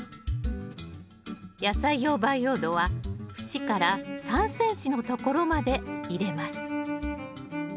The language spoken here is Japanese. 野菜用培養土は縁から３ｃｍのところまで入れます